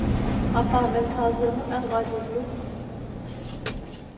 ئاپا، مەن ھازىرمۇ ئەڭ ئاجىزمۇ؟